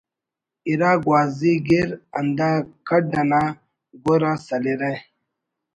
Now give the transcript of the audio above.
اِرا گوازی گر ہندا کھڈ انا گؤر آ سلرہ